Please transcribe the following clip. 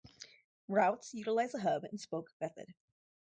Routes utilize a hub and spoke method.